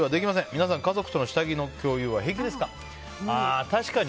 皆さん家族と下着の共有は可能ですか。